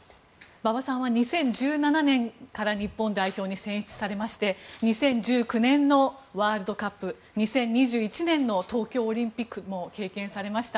馬場さんは２０１７年から日本代表に選出されまして２０１９年のワールドカップ２０２１年の東京オリンピックも経験されました。